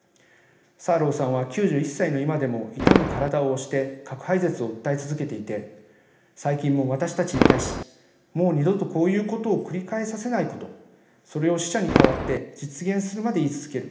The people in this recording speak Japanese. サーローさんは９１歳の今でも痛む体をおして核廃絶を訴え続けていて最近も私たちに対し「もう二度と、こういうことを繰り返させないことそれを、死者に代わって実現するまで言い続ける。